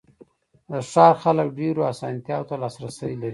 د ښار خلک ډېرو آسانتیاوو ته لاسرسی لري.